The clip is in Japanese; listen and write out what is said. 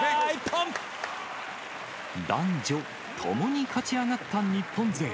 男女共に勝ち上がった日本勢。